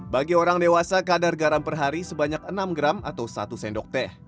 bagi orang dewasa kadar garam per hari sebanyak enam gram atau satu sendok teh